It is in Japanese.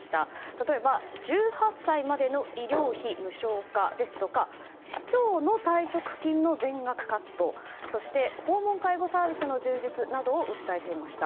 例えば１８歳までの医療費無償化ですとか市長の退職金の全額カットそして訪問介護サービスの充実などを訴えていました。